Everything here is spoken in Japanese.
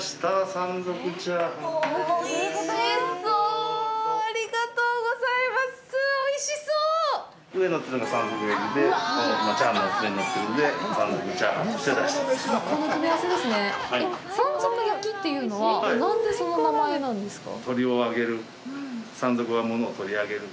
山賊焼というのは何で、その名前なんですか。